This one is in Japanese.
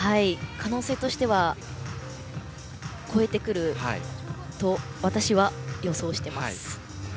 可能性としては超えてくると私は予想しています。